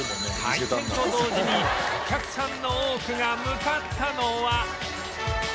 開店と同時にお客さんの多くが向かったのは